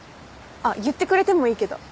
あっ言ってくれてもいいけど。